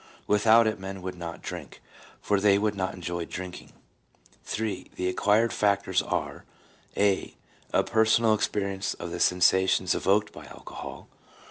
Without it men would not drink, for they would not enjoy drinking. III. The acquired factors are: — {a) A personal ex perience of the sensations evoked by alcohol.